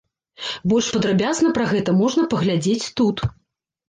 Больш падрабязна пра гэта можна паглядзець тут.